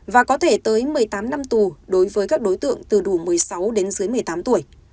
và có thể tới một mươi tám năm tù đối với các đối tượng từ đủ một mươi sáu đến dưới một mươi tám tuổi